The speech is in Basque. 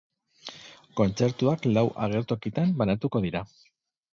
Kontzertuak lau agertokitan banatuko dira.